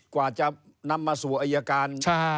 กว่าจะนำมาสู่อายการ